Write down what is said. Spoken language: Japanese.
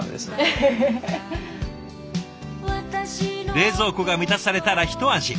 冷蔵庫が満たされたら一安心。